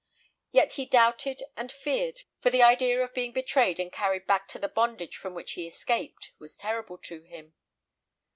Yet he doubted and feared, for the idea of being betrayed and carried back to the bondage from which he escaped, was terrible to him.